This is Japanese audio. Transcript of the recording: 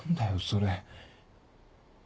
それ。